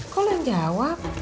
kok lo yang jawab